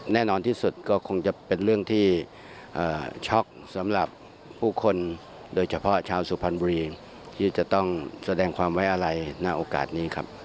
แน่นอนที่สุดก็คงจะเป็นเรื่องที่ช็อกสำหรับผู้คนโดยเฉพาะชาวสุพรรณบุรีที่จะต้องแสดงความไว้อะไรณโอกาสนี้ครับ